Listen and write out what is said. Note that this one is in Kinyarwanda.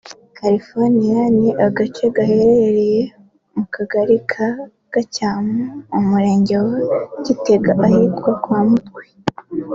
California ni agace gaherereye mu Kagari ka Gacyamo mu Murenge wa Gitega ahitwa kwa Mutwe